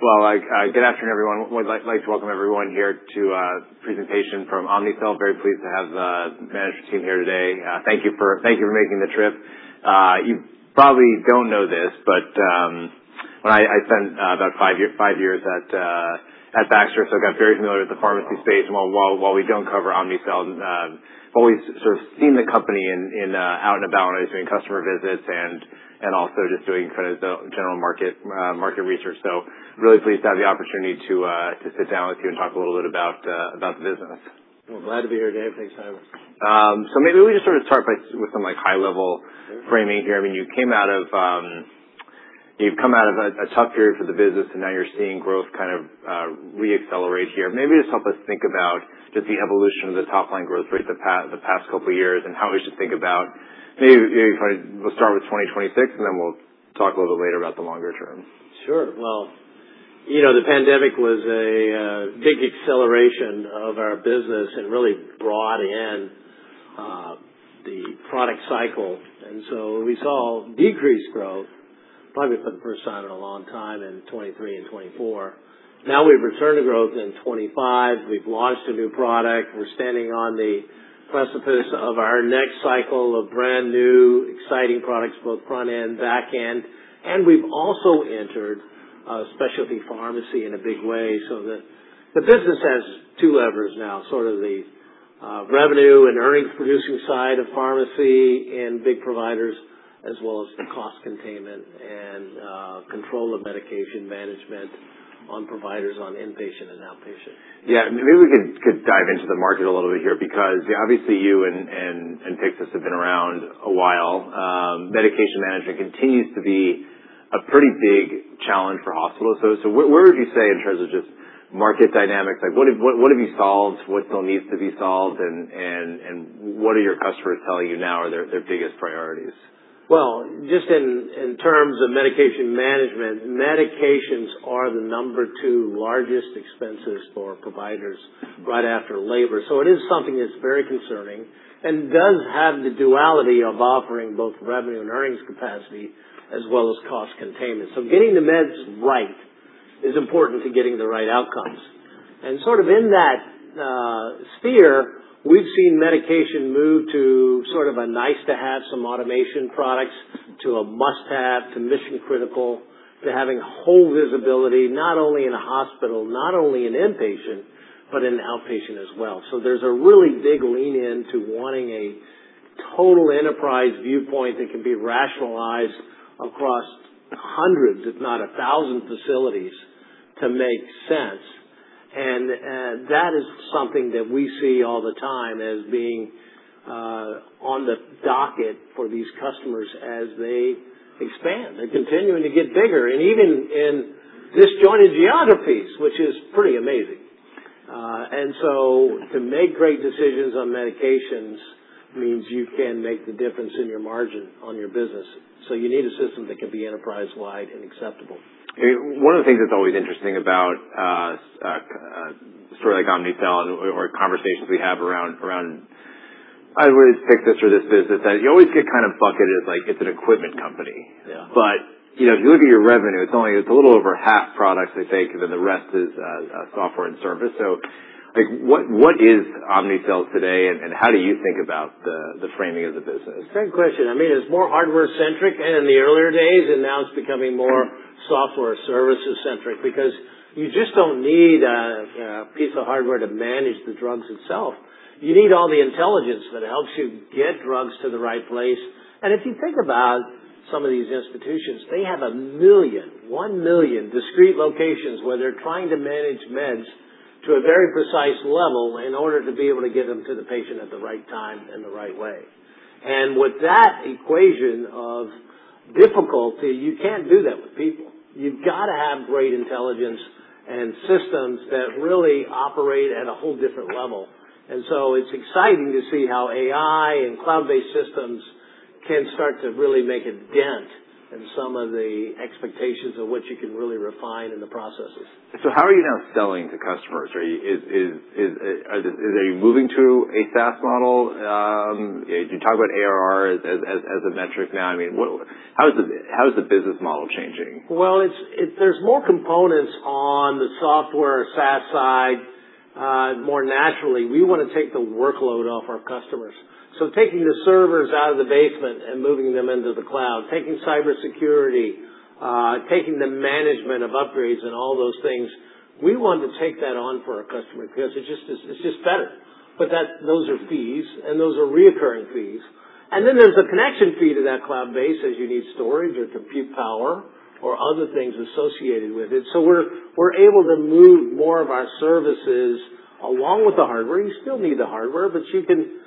Well, good afternoon, everyone. Would like to welcome everyone here to a presentation from Omnicell. Very pleased to have the management team here today. Thank you for making the trip. You probably don't know this, I spent about five years at Baxter, I got very familiar with the pharmacy space. While we don't cover Omnicell, we've sort of seen the company out and about when I was doing customer visits and also just doing kind of the general market research. Really pleased to have the opportunity to sit down with you and talk a little bit about the business. Well, glad to be here, David. Thanks so much. Maybe we just sort of start with some high-level framing here. You've come out of a tough period for the business, now you're seeing growth kind of re-accelerate here. Maybe just help us think about just the evolution of the top-line growth rate the past couple of years, how we should think about, maybe if we'll start with 2026, we'll talk a little bit later about the longer term? Sure. Well, the pandemic was a big acceleration of our business and really brought in the product cycle. We saw decreased growth, probably for the first time in a long time, in 2023 and 2024. Now we've returned to growth in 2025. We've launched a new product. We're standing on the precipice of our next cycle of brand-new exciting products, both front-end, back-end. We've also entered specialty pharmacy in a big way. The business has two levers now, sort of the revenue and earnings-producing side of pharmacy and big providers, as well as the cost containment and control of medication management on providers on inpatient and outpatient. Yeah. Maybe we could dive into the market a little bit here, because obviously, you and Pyxis have been around a while. Medication management continues to be a pretty big challenge for hospitals. What would you say in terms of just market dynamics? What have you solved? What still needs to be solved, and what are your customers telling you now are their biggest priorities? Well, just in terms of medication management, medications are the number two largest expenses for providers right after labor. It is something that's very concerning and does have the duality of offering both revenue and earnings capacity as well as cost containment. Getting the meds right is important to getting the right outcomes. Sort of in that sphere, we've seen medication move to sort of a nice-to-have some automation products to a must-have to mission-critical, to having whole visibility, not only in a hospital, not only in inpatient, but in outpatient as well. There's a really big lean in to wanting a total enterprise viewpoint that can be rationalized across hundreds, if not 1,000 facilities, to make sense. That is something that we see all the time as being on the docket for these customers as they expand. They're continuing to get bigger, even in disjointed geographies, which is pretty amazing. To make great decisions on medications means you can make the difference in your margin on your business. You need a system that can be enterprise-wide and acceptable. One of the things that's always interesting about a story like Omnicell or conversations we have around either Pyxis or this business, that you always get kind of bucketed like it's an equipment company. If you look at your revenue, it's a little over half products, I think, and then the rest is software and service. What is Omnicell today, and how do you think about the framing of the business? Great question. It's more hardware-centric in the earlier days, and now it's becoming more software services-centric because you just don't need a piece of hardware to manage the drugs itself. You need all the intelligence that helps you get drugs to the right place. If you think about some of these institutions, they have 1 million discrete locations where they're trying to manage meds to a very precise level in order to be able to give them to the patient at the right time and the right way. With that equation of difficulty, you can't do that with people. You've got to have great intelligence and systems that really operate at a whole different level. It's exciting to see how AI and cloud-based systems can start to really make a dent in some of the expectations of what you can really refine in the processes. How are you now selling to customers? Are they moving to a SaaS model? Do you talk about ARR as a metric now? How is the business model changing? There's more components on the software SaaS side more naturally. We want to take the workload off our customers. Taking the servers out of the basement and moving them into the cloud, taking cybersecurity, taking the management of upgrades and all those things, we want to take that on for our customer because it's just better. Those are fees, and those are recurring fees. There's a connection fee to that cloud base as you need storage or compute power or other things associated with it. We're able to move more of our services along with the hardware. You still need the hardware, but you can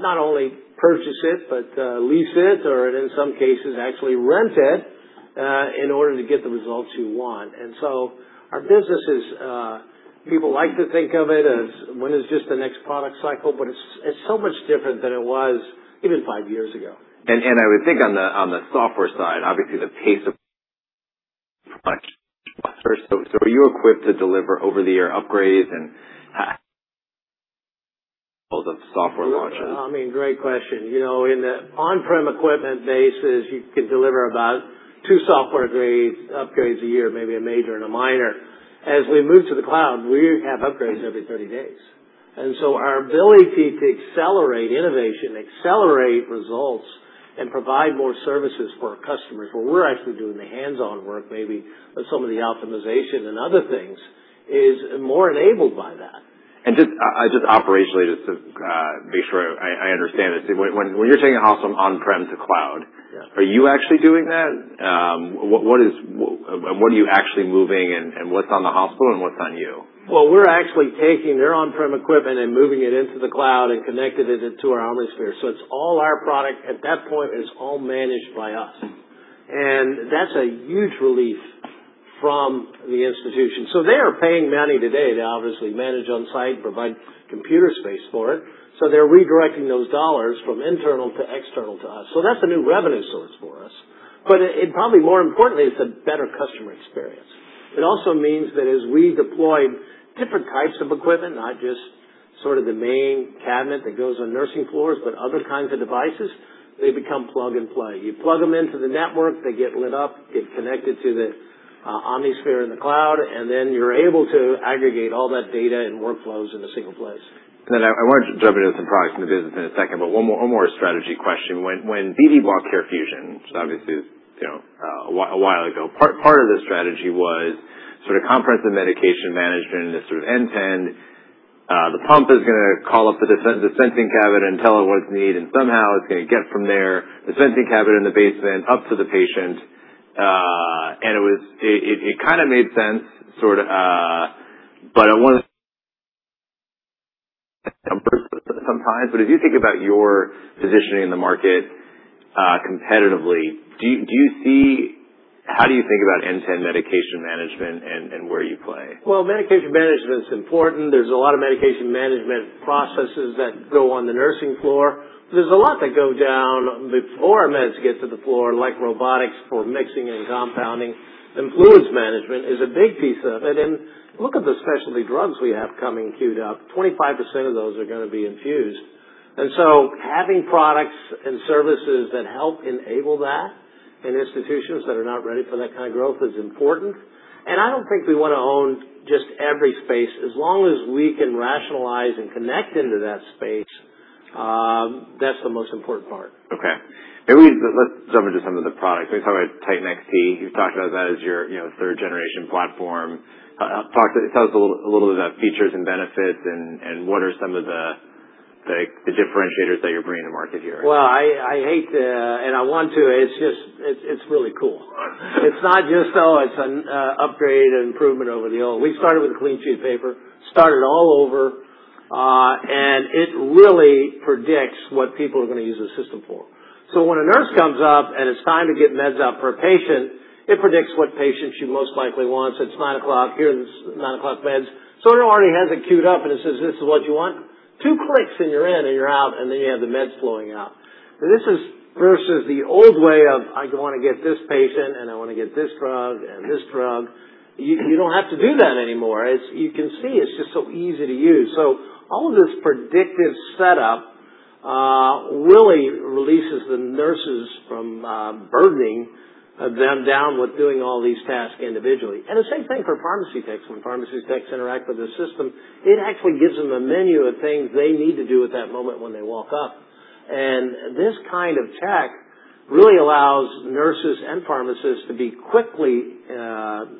not only purchase it but lease it or in some cases actually rent it in order to get the results you want. Our business is, people like to think of it as when is just the next product cycle, but it's so much different than it was even five years ago. I would think on the software side, obviously the pace of much faster. Are you equipped to deliver over-the-air upgrades and software launches? Great question. In the on-prem equipment bases, you can deliver about two software upgrades a year, maybe a major and a minor. As we move to the cloud, we have upgrades every 30 days. Our ability to accelerate innovation, accelerate results, and provide more services for our customers, where we're actually doing the hands-on work, maybe with some of the optimization and other things, is more enabled by that. Just operationally, just to be sure I understand this. When you're taking a hospital from on-prem to cloud are you actually doing that? What are you actually moving and what's on the hospital and what's on you? Well, we're actually taking their on-prem equipment and moving it into the cloud and connecting it into our OmniSphere. It's all our product. At that point, it's all managed by us. That's a huge relief from the institution. They are paying money today to obviously manage on-site, provide computer space for it. They're redirecting those dollars from internal to external to us. That's a new revenue source for us, but probably more importantly, it's a better customer experience. It also means that as we deploy different types of equipment, not just sort of the main cabinet that goes on nursing floors, but other kinds of devices, they become plug and play. You plug them into the network, they get lit up, get connected to the OmniSphere in the cloud, and then you're able to aggregate all that data and workflows in a single place. Then I wanted to jump into some products in the business in a second, but one more strategy question. When BD bought CareFusion, which obviously is a while ago, part of the strategy was sort of comprehensive medication management and this sort of end-to-end, the pump is going to call up the dispensing cabinet and tell it what it's needing. Somehow it's going to get from there, the dispensing cabinet in the basement up to the patient. It kind of made sense sort of, but I wonder sometimes, as you think about your positioning in the market competitively, how do you think about end-to-end medication management and where you play? Well, medication management's important. There's a lot of medication management processes that go on the nursing floor. There's a lot that go down before meds get to the floor, like robotics for mixing and compounding. Fluids management is a big piece of it, and look at the specialty drugs we have coming queued up. 25% of those are going to be infused. Having products and services that help enable that in institutions that are not ready for that kind of growth is important. I don't think we want to own just every space. As long as we can rationalize and connect into that space, that's the most important part. Okay. Maybe let's jump into some of the products. Let me talk about Titan XT. You've talked about that as your third-generation platform. Tell us a little about features and benefits and what are some of the differentiators that you're bringing to market here? Well, I hate to, it's really cool. It's not just, "Oh, it's an upgrade, an improvement over the old." We started with a clean sheet paper, started all over. It really predicts what people are going to use the system for. When a nurse comes up and it's time to get meds out for a patient, it predicts what patient she most likely wants. It's 9:00 A.M., here's the 9:00 A.M. meds. It already has it queued up, and it says, "This is what you want." Two clicks and you're in and you're out, you have the meds flowing out. This is versus the old way of, "I want to get this patient, and I want to get this drug and this drug." You don't have to do that anymore. As you can see, it's just so easy to use. All of this predictive setup really releases the nurses from burdening them down with doing all these tasks individually. The same thing for pharmacy techs. When pharmacy techs interact with the system, it actually gives them a menu of things they need to do at that moment when they walk up. This kind of tech really allows nurses and pharmacists to be quickly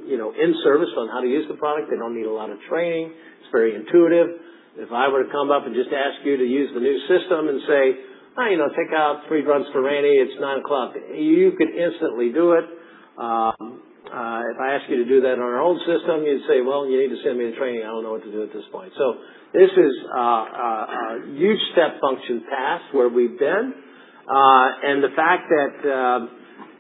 in-service on how to use the product. They don't need a lot of training. It's very intuitive. If I were to come up and just ask you to use the new system and say, "Pick out three drugs for Randy. It's 9:00 A.M." You could instantly do it. If I ask you to do that on our old system, you'd say, "Well, you need to send me to training. I don't know what to do at this point. This is a huge step function past where we've been. The fact that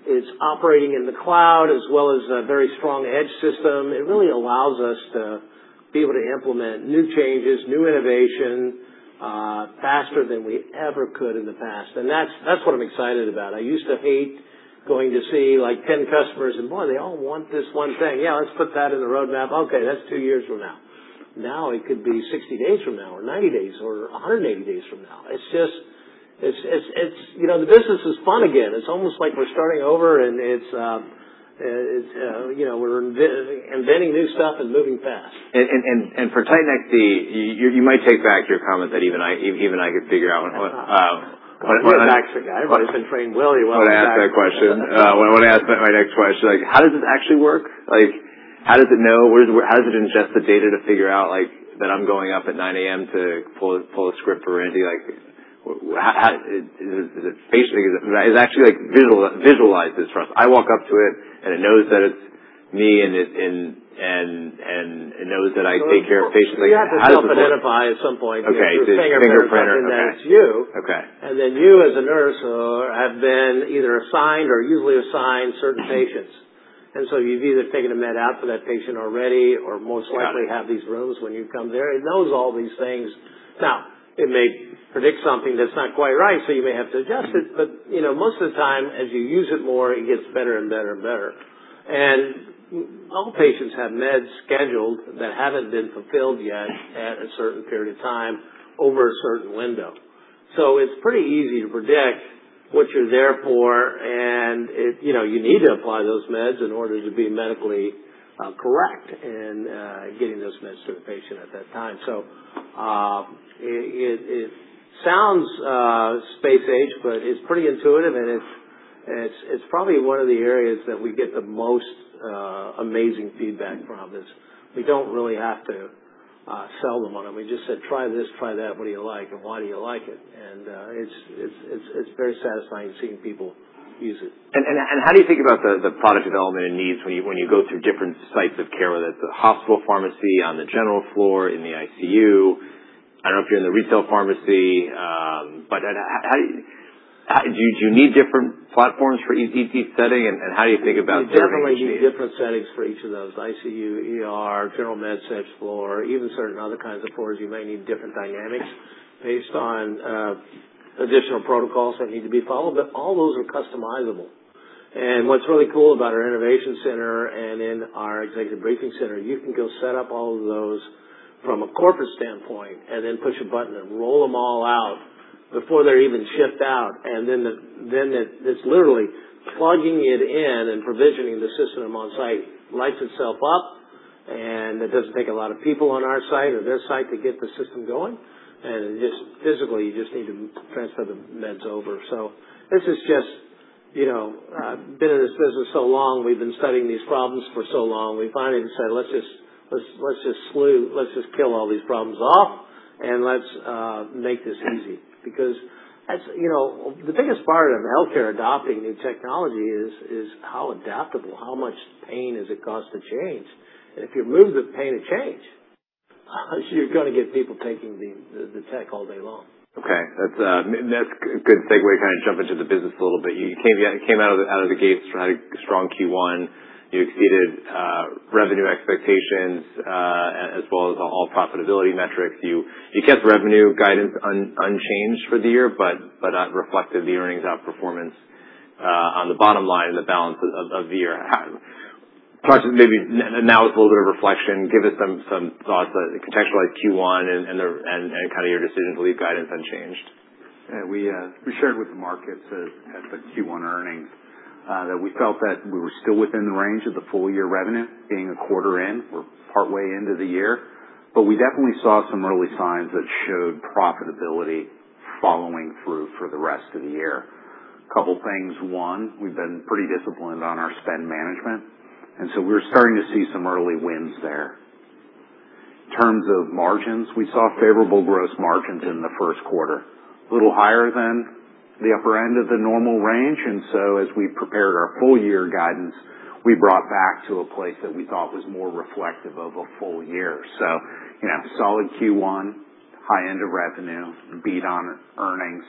it's operating in the cloud as well as a very strong edge system, it really allows us to be able to implement new changes, new innovation, faster than we ever could in the past. That's what I'm excited about. I used to hate going to see 10 customers and, boy, they all want this one thing. Yeah, let's put that in the roadmap. Okay, that's two years from now. Now it could be 60 days from now or 90 days or 180 days from now. The business is fun again. It's almost like we're starting over, and we're inventing new stuff and moving fast. For Titan XT, you might take back your comment that even I could figure out- I'm a Baxter guy. I've always been trained well. When I ask that question, I want to ask my next question, how does this actually work? How does it know? How does it ingest the data to figure out that I'm going up at 9:00 A.M. to pull a script for Randy? Is it actually visualizes for us? I walk up to it, and it knows that it's me, and it knows that I take care of patients. You have to self-identify at some point. Okay. You have to put your fingerprint or something that's you. Okay. You, as a nurse, have been either assigned or usually assigned certain patients. You've either taken a med out for that patient already or most likely have these rooms when you come there. It knows all these things. Now, it may predict something that's not quite right, so you may have to adjust it. Most of the time, as you use it more, it gets better and better and better. All patients have meds scheduled that haven't been fulfilled yet at a certain period of time over a certain window. It's pretty easy to predict what you're there for, and you need to apply those meds in order to be medically correct in getting those meds to the patient at that time. It sounds space age, it's pretty intuitive, and it's probably one of the areas that we get the most amazing feedback from, is we don't really have to sell them on them. We just said, "Try this, try that. What do you like and why do you like it?" It's very satisfying seeing people use it. How do you think about the product development and needs when you go through different sites of care, whether it's a hospital pharmacy, on the general floor, in the ICU? I don't know if you're in the retail pharmacy. Do you need different platforms for each setting, and how do you think about that? You definitely need different settings for each of those, ICU, ER, general med surge floor, even certain other kinds of floors, you may need different dynamics based on additional protocols that need to be followed. All those are customizable. What's really cool about our innovation center and in our executive briefing center, you can go set up all of those from a corporate standpoint and then push a button and roll them all out before they're even shipped out. Then it's literally plugging it in and provisioning the system on site, lights itself up, and it doesn't take a lot of people on our site or their site to get the system going. Physically, you just need to transfer the meds over. This is just I've been in this business so long, we've been studying these problems for so long. We finally decided, "Let's just kill all these problems off, and let's make this easy." The biggest part of healthcare adopting new technology is how adaptable, how much pain does it cost to change? If you remove the pain of change, you're going to get people taking the tech all day long. Okay. That's a good segue to kind of jump into the business a little bit. You came out of the gates, had a strong Q1. You exceeded revenue expectations, as well as all profitability metrics. You kept revenue guidance unchanged for the year, that reflected the earnings outperformance, on the bottom line of the year. Maybe now with a little bit of reflection, give us some thoughts that contextualize Q1 and kind of your decision to leave guidance unchanged? We shared with the markets at the Q1 earnings, that we felt that we were still within the range of the full-year revenue being a quarter in. We're partway into the year. We definitely saw some early signs that showed profitability following through for the rest of the year. Couple things. One, we've been pretty disciplined on our spend management, so we're starting to see some early wins there. In terms of margins, we saw favorable gross margins in the first quarter, a little higher than the upper end of the normal range. As we prepared our full-year guidance, we brought back to a place that we thought was more reflective of a full year. Solid Q1, high end of revenue, beat on earnings,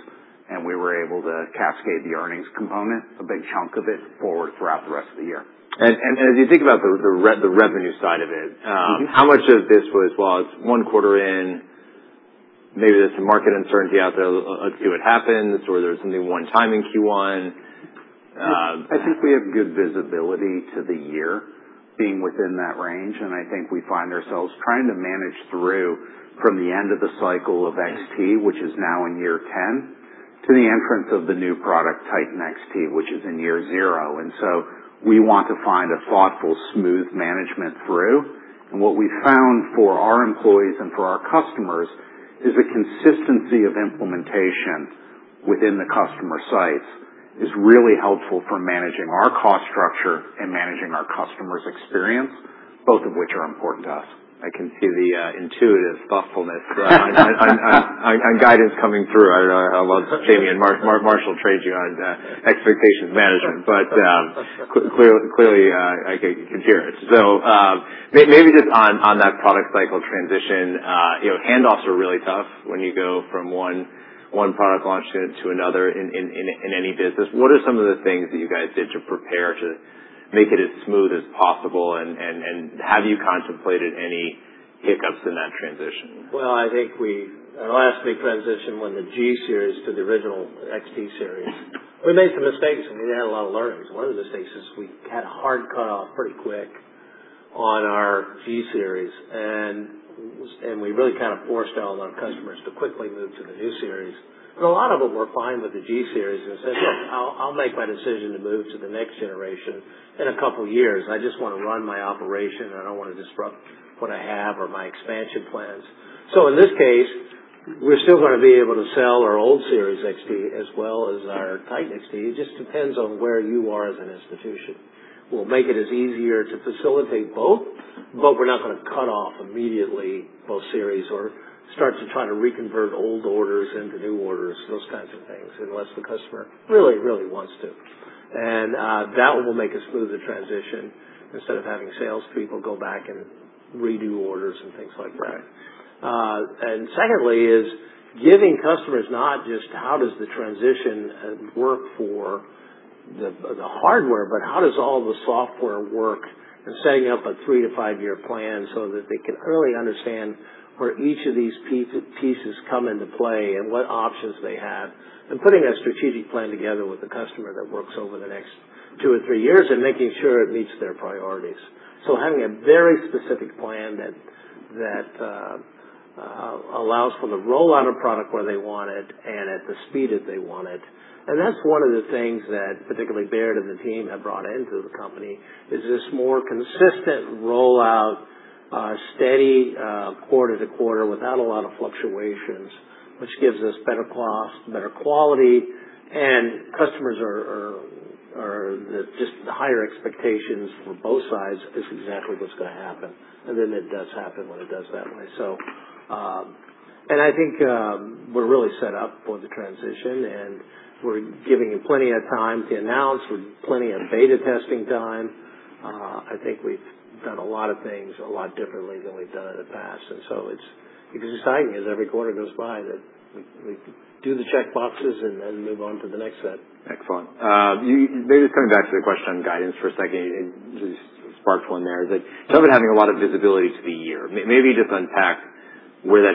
we were able to cascade the earnings component, a big chunk of it, forward throughout the rest of the year. As you think about the revenue side of it. How much of this was, well, it's one quarter in, maybe there's some market uncertainty out there, let's see what happens, or there's only one time in Q1? I think we have good visibility to the year being within that range, and I think we find ourselves trying to manage through from the end of the cycle of XT, which is now in year 10, to the entrance of the new product, Titan XT, which is in year zero. We want to find a thoughtful, smooth management through. What we found for our employees and for our customers is the consistency of implementation within the customer sites is really helpful for managing our cost structure and managing our customer's experience, both of which are important to us. I can see the intuitive thoughtfulness and guidance coming through. I don't know how long Jamie and Marshall trained you on expectations management, but clearly, I can hear it. Maybe just on that product cycle transition. Handoffs are really tough when you go from one product launch to another in any business. What are some of the things that you guys did to prepare to make it as smooth as possible, and have you contemplated any hiccups in that transition? I think our last big transition, when the G-Series to the original XT Series, we made some mistakes, and we had a lot of learnings. One of the mistakes is we had a hard cut-off pretty quick on our G-Series, and we really kind of forced all of our customers to quickly move to the new series. A lot of them were fine with the G-Series and said, "Look, I'll make my decision to move to the next generation in a couple of years. I just want to run my operation, and I don't want to disrupt what I have or my expansion plans." In this case, we're still going to be able to sell our old series XT as well as our Titan XT. It just depends on where you are as an institution. We'll make it as easier to facilitate both, but we're not going to cut off immediately both series or start to try to reconvert old orders into new orders, those kinds of things, unless the customer really, really wants to. That will make a smoother transition instead of having sales people go back and redo orders and things like that. Secondly is giving customers not just how does the transition work for the hardware, but how does all the software work Setting up a three to five-year plan so that they can really understand where each of these pieces come into play and what options they have. Putting that strategic plan together with the customer that works over the next two or three years, and making sure it meets their priorities. Having a very specific plan that allows for the rollout of product where they want it and at the speed that they want it. That's one of the things that particularly Baird and the team have brought into the company, is this more consistent rollout, steady quarter to quarter without a lot of fluctuations, which gives us better cost, better quality, and customers are. Just the higher expectations for both sides is exactly what's going to happen. Then it does happen when it does that way. I think we're really set up for the transition, and we're giving you plenty of time to announce, with plenty of beta testing time. I think we've done a lot of things a lot differently than we've done in the past. It's exciting as every quarter goes by that we do the check boxes and then move on to the next set. Excellent. Maybe just coming back to the question on guidance for a second, you just sparked one there. You talk about having a lot of visibility to the year. Maybe just unpack where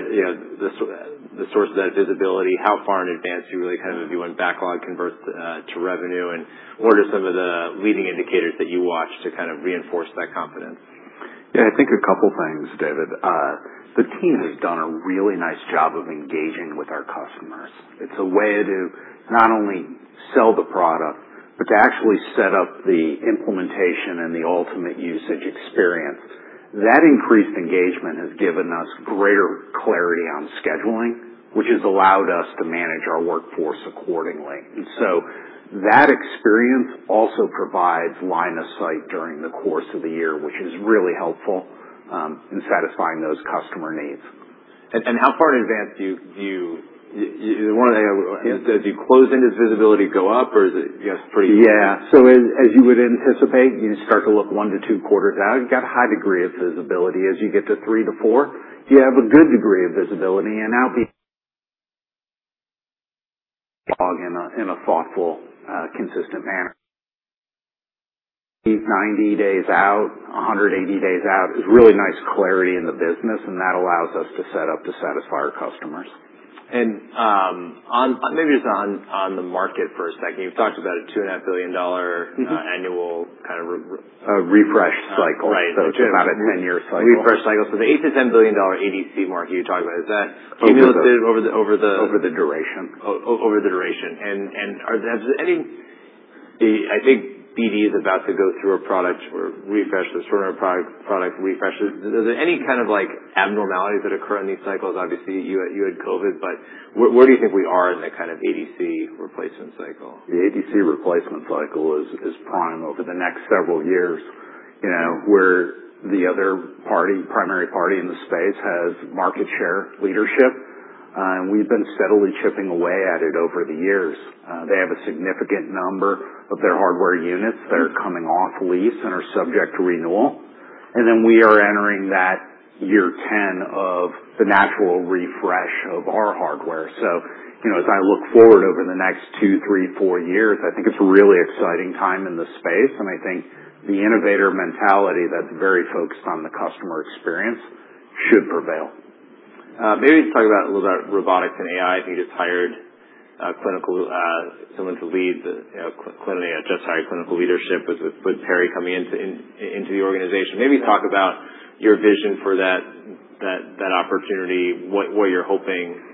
the source of that visibility, how far in advance you really kind of view when backlog converts to revenue, and what are some of the leading indicators that you watch to kind of reinforce that confidence? I think a couple things, David. The team has done a really nice job of engaging with our customers. It's a way to not only sell the product, but to actually set up the implementation and the ultimate usage experience. That increased engagement has given us greater clarity on scheduling, which has allowed us to manage our workforce accordingly. That experience also provides line of sight during the course of the year, which is really helpful in satisfying those customer needs. How far in advance One of the things I want to ask, as you close in, does visibility go up or is it just. As you would anticipate, you start to look one to two quarters out, you got a high degree of visibility. As you get to three to four, you have a good degree of visibility. Out beyond in a thoughtful, consistent manner. 90 days out, 180 days out is really nice clarity in the business, and that allows us to set up to satisfy our customers. Maybe just on the market for a second. You've talked about a $2.5 billion annual. A refresh cycle. Right. It's about a 10-year cycle. Refresh cycle. The $8 billion-$10 billion ADC market you talk about, is that accumulated over the over the duration. Has there been any, I think BD is about to go through a product refresh, this turnaround product refresh. Is there any kind of abnormalities that occur in these cycles? Obviously, you had COVID, where do you think we are in the kind of ADC replacement cycle? The ADC replacement cycle is prime over the next several years, where the other primary party in the space has market share leadership. We've been steadily chipping away at it over the years. They have a significant number of their hardware units that are coming off lease and are subject to renewal. We are entering that year 10 of the natural refresh of our hardware. As I look forward over the next two, three, four years, I think it's a really exciting time in the space, I think the innovator mentality that's very focused on the customer experience should prevail. Maybe just talk a little about robotics and AI. You just hired someone to lead the clinical, I just hired clinical leadership with Perry coming into the organization. Maybe talk about your vision for that opportunity, what you're hoping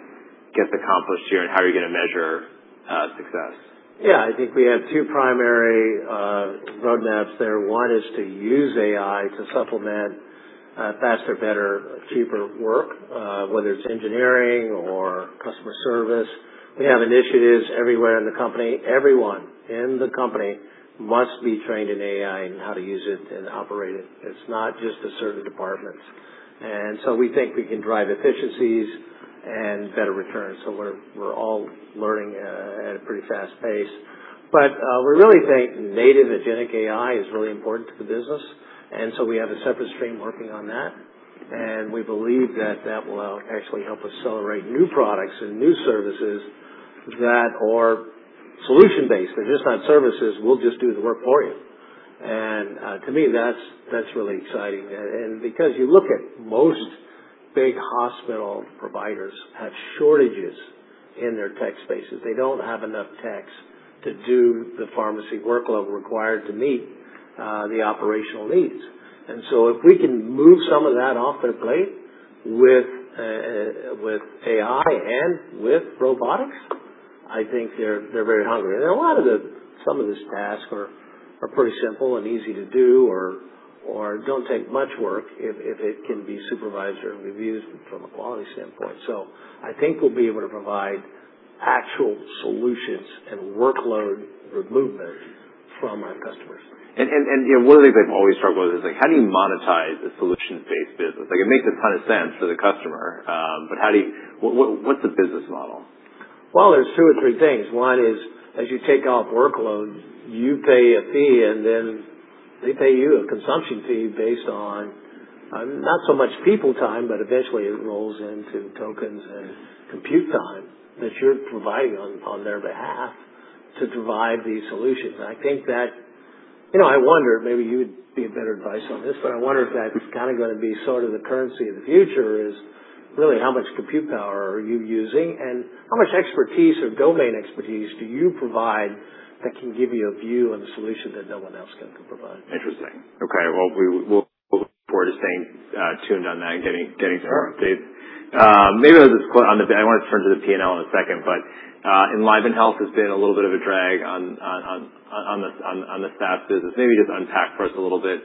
gets accomplished here, how are you going to measure success? Yeah. I think we have two primary roadmaps there. One is to use AI to supplement faster, better, cheaper work, whether it's engineering or customer service. We have initiatives everywhere in the company. Everyone in the company must be trained in AI and how to use it and operate it. It's not just to certain departments. We think we can drive efficiencies and better returns. We're all learning at a pretty fast pace. We really think native agentic AI is really important to the business, we have a separate stream working on that. We believe that that will actually help accelerate new products and new services that are solution-based. They're just not services, we'll just do the work for you. To me, that's really exciting. Because you look at most big hospital providers have shortages in their tech spaces. They don't have enough techs to do the pharmacy workload required to meet the operational needs. If we can move some of that off their plate with AI and with robotics, I think they're very hungry. Some of these tasks are pretty simple and easy to do or don't take much work if it can be supervised or reviewed from a quality standpoint. I think we'll be able to provide actual solutions and workload removal from our customers. One of the things I've always struggled with is how do you monetize a solution-based business? It makes a ton of sense for the customer, what's the business model? Well, there's two or three things. One is, as you take off workloads, you pay a fee they pay you a consumption fee based on, not so much people time, eventually it rolls into tokens and compute time that you're providing on their behalf. To provide these solutions. I wonder, maybe you would be a better advice on this, I wonder if that's going to be sort of the currency of the future, is really how much compute power are you using and how much expertise or domain expertise do you provide that can give you a view and a solution that no one else can provide? Interesting. Okay. Well, we'll look forward to staying tuned on that getting further updates. Sure. I want to turn to the P&L in a second, EnlivenHealth has been a little bit of a drag on the SaaS business. Maybe just unpack for us a little bit,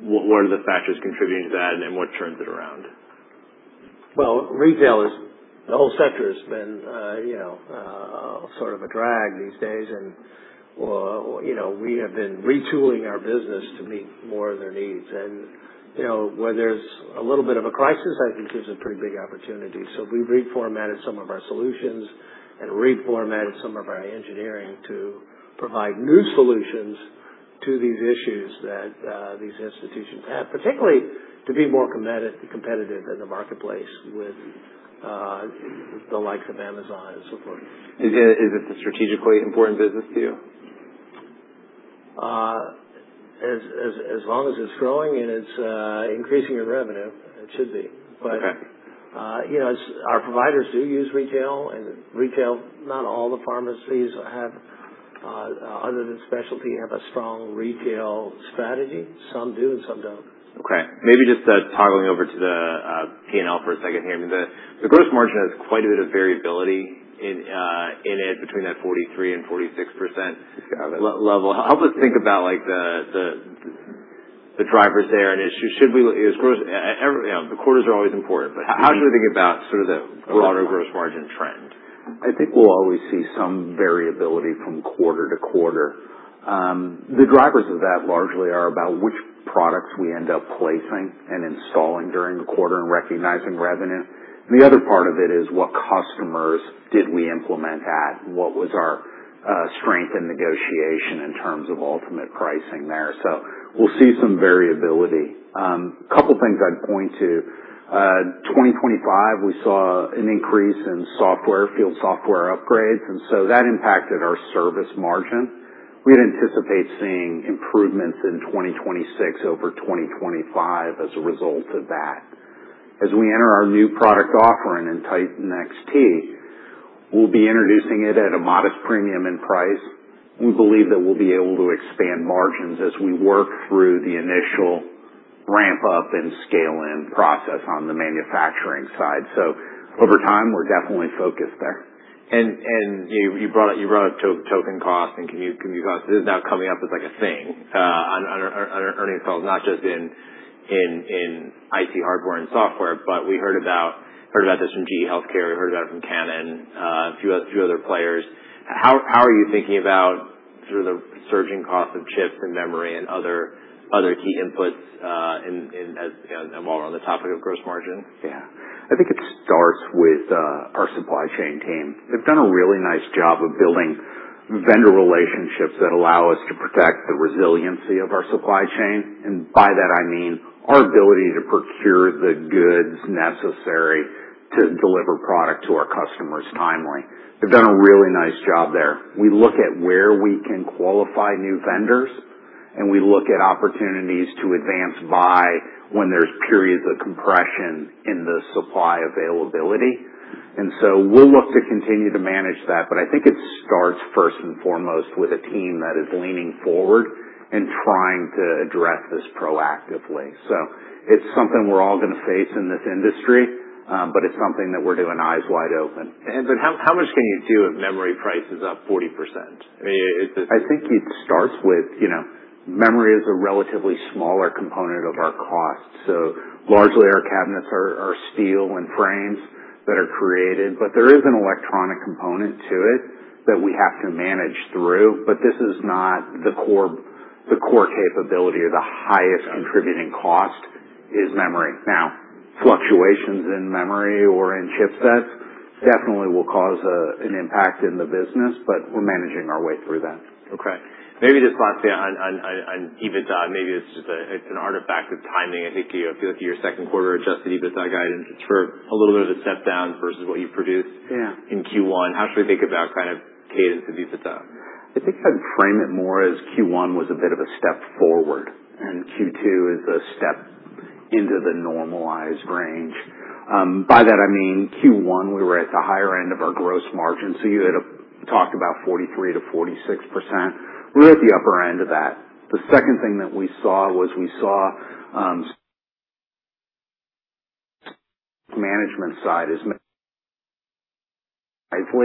what are the factors contributing to that, what turns it around? Well, retail, the whole sector has been sort of a drag these days, and we have been retooling our business to meet more of their needs. Where there's a little bit of a crisis, I think there's a pretty big opportunity. We reformatted some of our solutions and reformatted some of our engineering to provide new solutions to these issues that these institutions have, particularly to be more competitive in the marketplace with the likes of Amazon and so forth. Is it a strategically important business to you? As long as it's growing and it's increasing in revenue, it should be. Okay. Our providers do use retail, and retail, not all the pharmacies, other than specialty, have a strong retail strategy. Some do and some don't. Okay, maybe just toggling over to the P&L for a second here. I mean, the gross margin has quite a bit of variability in it between that 43% and 46% level. Help us think about the drivers there. The quarters are always important, how should we think about sort of the broader gross margin trend? I think we'll always see some variability from quarter to quarter. The drivers of that largely are about which products we end up placing and installing during the quarter and recognizing revenue. The other part of it is what customers did we implement at? What was our strength in negotiation in terms of ultimate pricing there? We'll see some variability. Couple things I'd point to. 2025, we saw an increase in software, field software upgrades, that impacted our service margin. We'd anticipate seeing improvements in 2026 over 2025 as a result of that. As we enter our new product offering in Titan XT, we'll be introducing it at a modest premium in price. We believe that we'll be able to expand margins as we work through the initial ramp-up and scale-in process on the manufacturing side. Over time, we're definitely focused there. You brought up token cost. This is now coming up as like a thing on earnings calls, not just in IT hardware and software, we heard about this from GE HealthCare, we heard about it from Canon, a few other players. How are you thinking about sort of the surging cost of chips and memory and other key inputs while we're on the topic of gross margin? Yeah. I think it starts with our supply chain team. They've done a really nice job of building vendor relationships that allow us to protect the resiliency of our supply chain. By that I mean our ability to procure the goods necessary to deliver product to our customers timely. They've done a really nice job there. We look at where we can qualify new vendors, we look at opportunities to advance buy when there's periods of compression in the supply availability. We'll look to continue to manage that. I think it starts first and foremost with a team that is leaning forward and trying to address this proactively. It's something we're all going to face in this industry, it's something that we're doing eyes wide open. How much can you do if memory price is up 40%? I think it starts with memory is a relatively smaller component of our cost. Largely our cabinets are steel and frames that are created. There is an electronic component to it that we have to manage through. This is not the core capability or the highest contributing cost is memory. Fluctuations in memory or in chipsets definitely will cause an impact in the business, but we're managing our way through that. Okay. Maybe just lastly on EBITDA, maybe it's an artifact of timing. I think if you look at your second quarter adjusted EBITDA guidance, it's for a little bit of a step down versus what you produced in Q1. How should we think about kind of cadence of EBITDA? I think I'd frame it more as Q1 was a bit of a step forward, and Q2 is a step into the normalized range. By that I mean Q1, we were at the higher end of our gross margin. You had talked about 43%-46%. We were at the upper end of that. The second thing that we saw was management side is careful,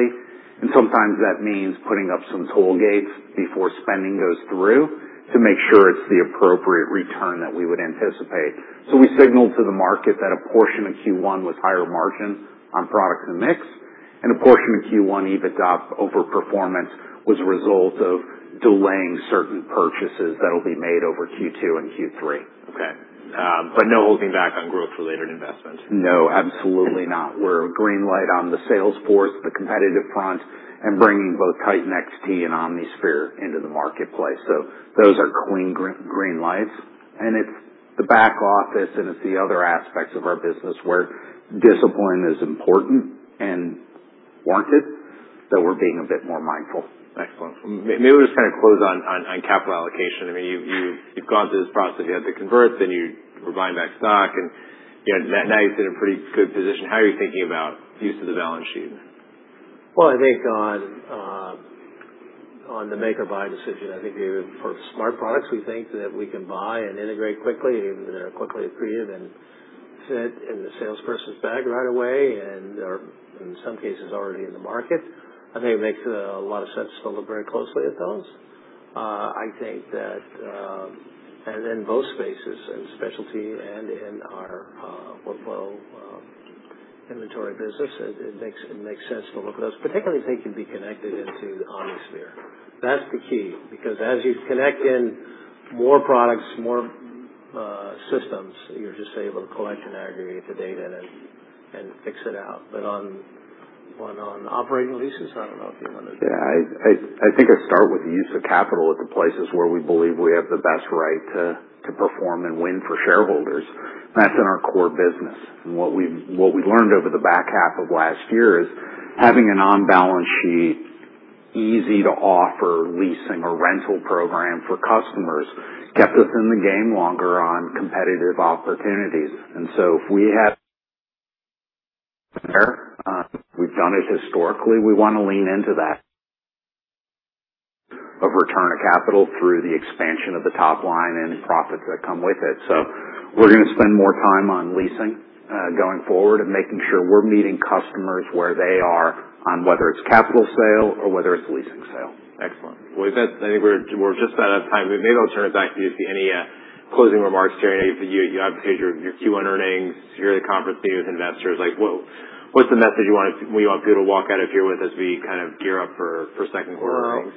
and sometimes that means putting up some toll gates before spending goes through to make sure it's the appropriate return that we would anticipate. We signaled to the market that a portion of Q1 was higher margin on products and mix, and a portion of Q1 EBITDA over-performance was a result of delaying certain purchases that'll be made over Q2 and Q3. Okay. No holding back on growth-related investments? No, absolutely not. We're green light on the sales force, the competitive front, and bringing both Titan XT and OmniSphere into the marketplace. Those are clean green lights, and it's the back office, and it's the other aspects of our business where discipline is important and wanted. We're being a bit more mindful. Excellent. Maybe we'll just close on capital allocation. You've gone through this process. You had to convert, you were buying back stock, and now you're in a pretty good position. How are you thinking about use of the balance sheet? Well, I think on the make or buy decision, I think for smart products, we think that we can buy and integrate quickly, and they're quickly approved and sit in the salesperson's bag right away, and they're, in some cases, already in the market. I think it makes a lot of sense to look very closely at those. In both spaces, in specialty and in our workflow inventory business, it makes sense to look at those, particularly if they can be connected into the OmniSphere. That's the key, because as you connect in more products, more systems, you're just able to collect and aggregate the data and fix it out. On operating leases, I don't know if you wanted to. Yeah, I think I'd start with the use of capital at the places where we believe we have the best right to perform and win for shareholders. That's in our core business. What we learned over the back half of last year is having an on-balance sheet, easy-to-offer leasing or rental program for customers kept us in the game longer on competitive opportunities. We've done it historically. We want to lean into that of return of capital through the expansion of the top line and profits that come with it. We're going to spend more time on leasing going forward and making sure we're meeting customers where they are on whether it's capital sale or whether it's a leasing sale. Excellent. Well, I think we're just about out of time. Maybe I'll turn it back to you to see any closing remarks, Randall. I think you have your Q1 earnings yearly conference meeting with investors. What's the message you want people to walk out of here with as we gear up for second quarter earnings?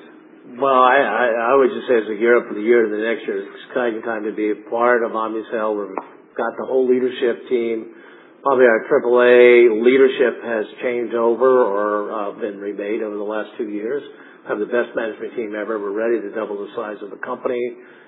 Well, I would just say, as we gear up for the year to the next year, it's an exciting time to be a part of Omnicell. We've got the whole leadership team. Probably our Triple A Leadership has changed over or been remade over the last two years. Have the best management team ever. We're ready to double the size of the company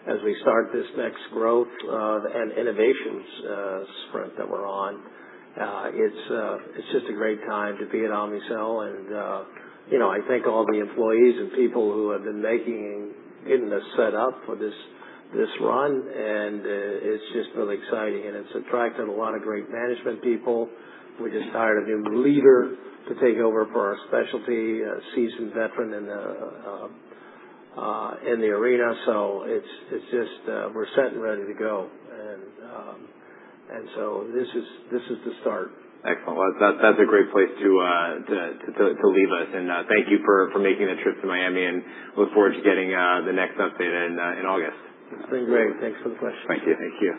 as we start this next growth and innovations sprint that we're on. It's just a great time to be at Omnicell, and I thank all the employees and people who have been making and getting us set up for this run, and it's just really exciting. It's attracted a lot of great management people. We just hired a new leader to take over for our specialty, a seasoned veteran in the arena. We're set and ready to go. This is the start. Excellent. Well, that's a great place to leave us. Thank you for making the trip to Miami, look forward to getting the next update in August. It's been great. Thanks for the questions. Thank you.